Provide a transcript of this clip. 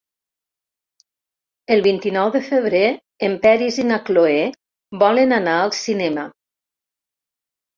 El vint-i-nou de febrer en Peris i na Cloè volen anar al cinema.